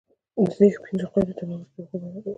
د دې پنځو قاعدو تمرکز پر هغو حقوقو دی.